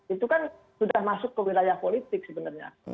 itu kan sudah masuk ke wilayah politik sebenarnya